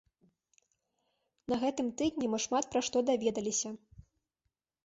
На гэтым тыдні мы шмат пра што даведаліся.